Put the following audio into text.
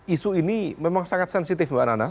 isu ini memang sangat sensitif mbak nana